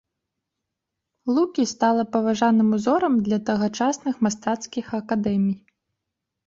Лукі стала паважаным узорам для тагачасных мастацкіх акадэмій.